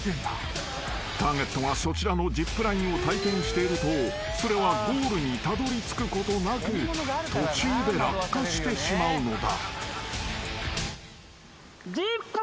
［ターゲットがそちらのジップラインを体験しているとそれはゴールにたどりつくことなく途中で落下してしまうのだ］